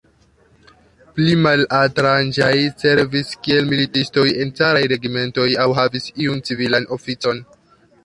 Pli malaltrangaj servis kiel militistoj en caraj regimentoj aŭ havis iun civilan oficon.